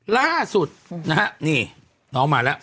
ล่าสุดนะฮะนี่น้องมาแล้ว